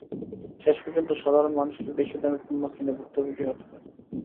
শেষ পর্যন্ত সাধারণ মানুষকেই বেশি দামে পণ্য কিনে ভুক্তভোগী হতে হয়।